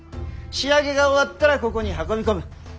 仕上げが終わったらここに運び込む。